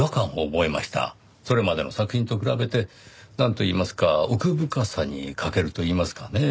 それまでの作品と比べてなんといいますか奥深さに欠けるといいますかねぇ。